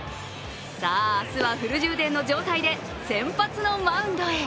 さあ、明日はフル充電の状態で先発のマウンドへ。